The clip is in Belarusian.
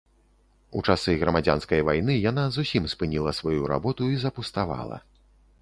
У часы грамадзянскай вайны яна зусім спыніла сваю работу і запуставала.